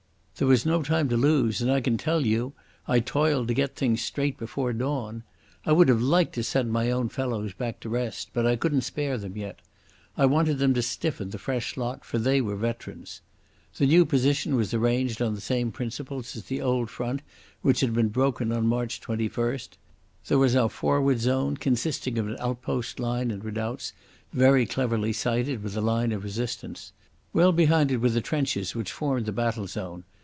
There was no time to lose, and I can tell you I toiled to get things straight before dawn. I would have liked to send my own fellows back to rest, but I couldn't spare them yet. I wanted them to stiffen the fresh lot, for they were veterans. The new position was arranged on the same principles as the old front which had been broken on March 21st. There was our forward zone, consisting of an outpost line and redoubts, very cleverly sited, and a line of resistance. Well behind it were the trenches which formed the battle zone.